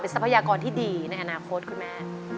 ทรัพยากรที่ดีในอนาคตคุณแม่